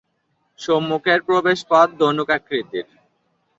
সম্মুখের প্রবেশপথ ধনুকাকৃতির।